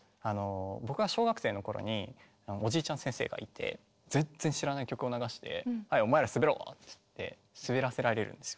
僕が小学生の頃におじいちゃん先生がいて全然知らない曲を流して「はいお前ら滑ろ！」って言って滑らせられるんですよ。